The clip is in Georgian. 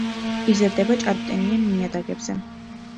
იზრდება ჭარბტენიან ნიადაგებზე.